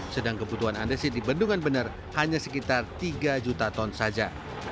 sedang kebutuhan andesit di bendungan bener hanya sekitar tiga juta ton saja